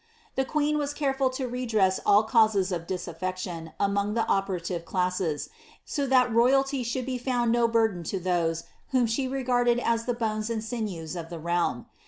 The queen was careful to redress all causes of disaffection among the operative classes, so that royalty should be found no burden to those, vhom she regarded as the bones and sinews of the realm.